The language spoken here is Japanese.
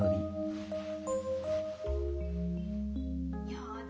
・やだ